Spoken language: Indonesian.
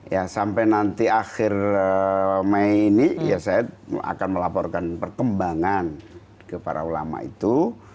ya sampai nanti akhir mei ini ya saya akan melaporkan perkembangan ke para ulama itu